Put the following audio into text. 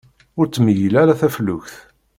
Ur ttmeyyil ara taflukt.